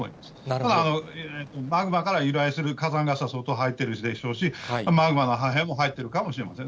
ただ、マグマから由来する火山ガスは相当入っているでしょうし、マグマの破片も入っているかもしれません。